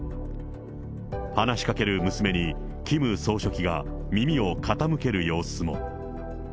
話しかける娘にキム総書記が耳を傾ける様子も。